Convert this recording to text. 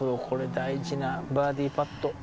これ大事なバーディパット。